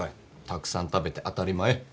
たくさん食べて当たり前。